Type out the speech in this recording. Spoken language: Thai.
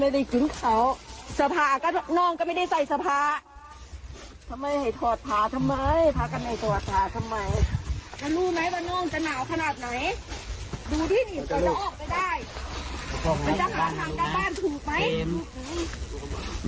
เป็นจังหวัดหลังการบ้านถูกไหม